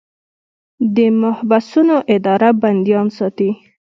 د محبسونو اداره بندیان ساتي